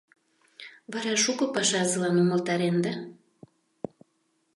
— Вара шуко пашазылан умылтаренда?